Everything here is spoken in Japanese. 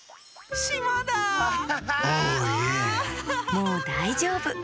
もうだいじょうぶ。